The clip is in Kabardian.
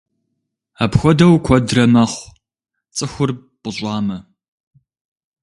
Апхуэдэу куэдрэ мэхъу, цӀыхур пӀыщӀамэ.